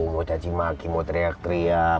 mau caci maki mau teriak teriak